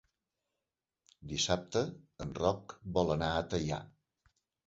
Dissabte en Roc vol anar a Teià.